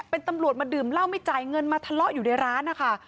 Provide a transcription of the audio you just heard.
เป็นตำรวจมาดื่มเหล้าไม่จ่ายเงินมาทะเลาะอยู่ในร้านนะคะ